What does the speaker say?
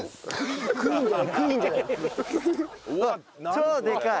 超でかい！